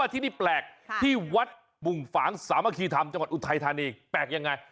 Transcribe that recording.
ที่นี่แปลกที่วัดบุงฝางสามัคคีธรรมจังหวัดอุทัยธานีแปลกยังไง